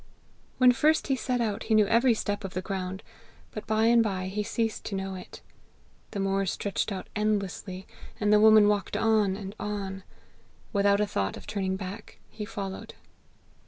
"When first he set out, he knew every step of the ground, but by and by he ceased to know it. The moor stretched out endlessly, and the woman walked on and on. Without a thought of turning back, he followed.